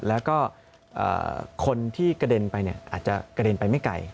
แล้วก็คนที่กระเด็นไปอาจจะกระเด็นไปไม่ไกล